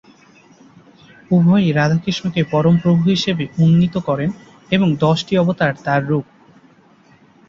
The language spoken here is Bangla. উভয়েই রাধা কৃষ্ণকে পরম প্রভু হিসেবে উন্নীত করেন এবং দশটি অবতার তাঁর রূপ।